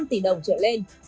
một năm tỷ đồng trở lên